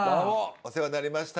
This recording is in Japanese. お世話になりました。